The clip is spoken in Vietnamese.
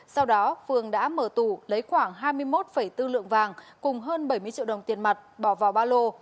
sau đó phường đã mở tủ lấy khoảng hai mươi một bốn lượng vàng cùng hơn bảy mươi triệu đồng tiền mặt bỏ vào ba lô